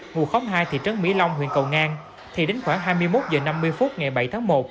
ngụ khóm hai thị trấn mỹ long huyện cầu ngang thì đến khoảng hai mươi một h năm mươi phút ngày bảy tháng một